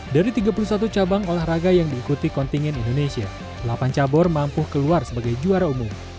dari tiga puluh satu cabang olahraga yang diikuti kontingen indonesia delapan cabur mampu keluar sebagai juara umum